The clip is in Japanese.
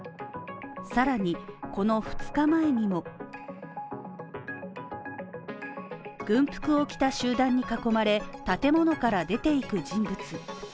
さらに、この２日前にも軍服を着た集団に囲まれ建物から出ていく人物。